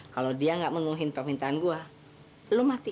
kalau dia nggak menuhin permintaan gue lu mati